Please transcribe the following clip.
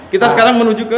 kita sekarang menuju ke